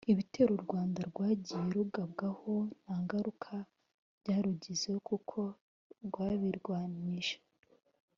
Ibitero u Rwanda rwagiye rugabwaho nta ngaruka byarugizeho kuko rwabirwanyije